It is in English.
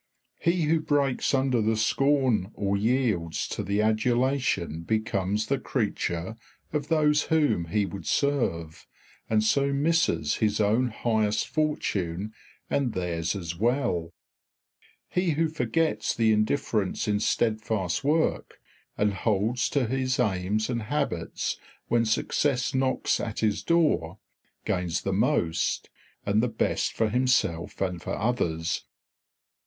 He who breaks under the scorn or yields to the adulation becomes the creature of those whom he would serve, and so misses his own highest fortune and theirs as well; he who forgets the indifference in steadfast work, and holds to his aims and habits when success knocks at his door, gains the most and the best for himself and for others.